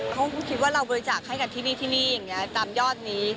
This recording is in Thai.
เขาคิดว่าเราบริจาคให้กันที่นี่ที่นี่อย่างนี้ตามยอดนี้